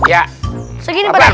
ya segini pak de